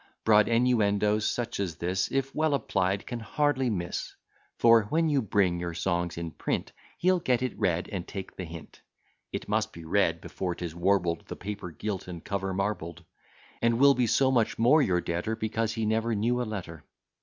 Broad innuendoes, such as this, If well applied, can hardly miss: For, when you bring your song in print, He'll get it read, and take the hint; (It must be read before 'tis warbled, The paper gilt and cover marbled.) And will be so much more your debtor, Because he never knew a letter.